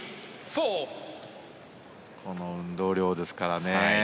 この運動量ですからね。